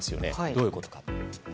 どういうことか。